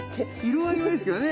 色合いはいいですけどね